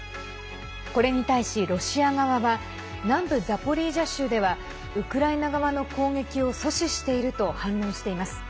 これに対しロシア側は南部ザポリージャ州ではウクライナ側の攻撃を阻止していると反論しています。